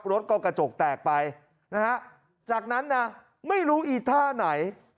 รถก็กระจกแตกไปนะฮะจากนั้นนะไม่รู้อีท่าไหน